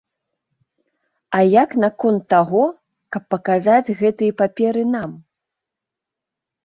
А як наконт таго, каб паказаць гэтыя паперы нам?